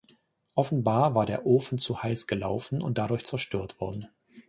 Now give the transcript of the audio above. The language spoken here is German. Offenbar war der Ofen zu heiß gelaufen und dadurch zerstört worden.